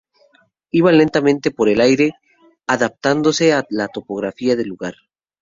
Iba lentamente por el aire, adaptándose a la topografía del lugar.